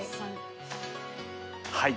はい。